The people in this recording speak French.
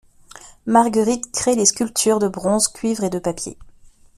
Marguerite crée les sculptures de bronze, cuivre et de papier.